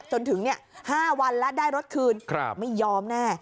จนถึงเนี่ยห้าวันแล้วได้รถคืนครับไม่ยอมแน่